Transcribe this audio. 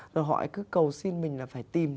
rồi họ cứ cầu xin mình là phải tìm